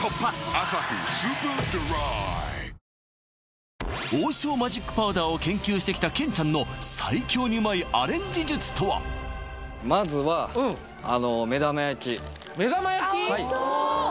「アサヒスーパードライ」王将マジックパウダーを研究してきたけんｃｈａｎｇの最強にうまいアレンジ術とはまずは目玉焼き？